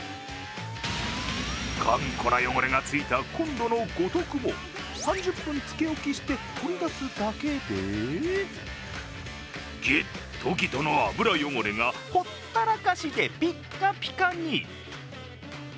頑固な汚れたついたこんろの五徳も３０分つけ置きして取り出すだけでギットギトの油汚れがほったらかしでピッカピカに。